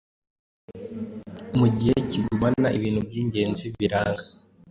mugihe kigumana ibintu byingenzi biranga